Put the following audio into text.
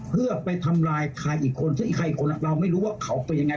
เพื่อไปทำลายใครอีกคนซึ่งอีกใครคนเราไม่รู้ว่าเขาเป็นยังไง